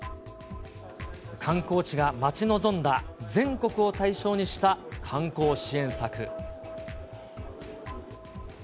観光地が待ち望んだ、全国を対象にした観光支援策。